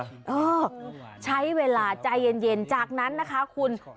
เออใช้เวลาใจเย็นจากนั้นนะคะคุณ